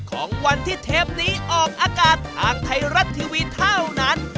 ของวันที่เทปนี้ออกอากาศทางไทยรัฐทีวีเท่านั้น